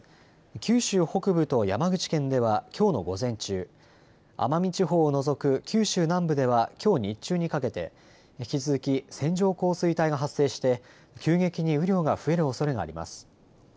九州北部と山口県ではきょうの午前中、奄美地方を除く九州南部ではきょう日中にかけて引き続き線状降水帯が発生して急激に雨量が増えるおそれがあります。